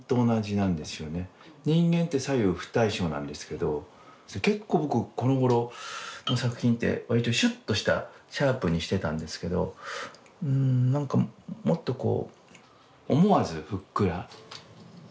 人間って左右不対称なんですけど結構僕このごろの作品って割とシュッとしたシャープにしてたんですけどなんかもっとこう思わずふっくら。